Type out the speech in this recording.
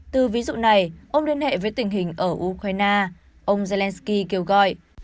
từ ví dụ này ông liên hệ với tình hình ở ukraine ông zelensky kêu gọi